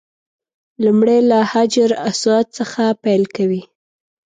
لومړی له حجر اسود څخه پیل کوي.